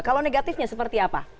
kalau negatifnya seperti apa